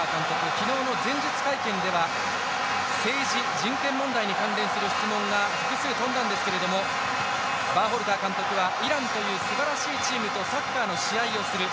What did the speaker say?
昨日の前日会見では政治、人権問題に関する質問が複数飛んだんですけれどもバーホルター監督はイランというすばらしいチームとサッカーの試合をする。